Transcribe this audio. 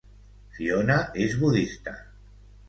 Fiona és budista.